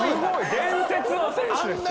伝説の選手ですよ。